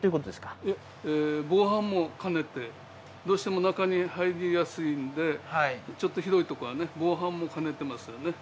いえどうしても中に入りやすいんでちょっと広いとこはね防犯も兼ねてますよね